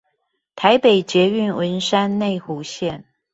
台北捷運文山內湖線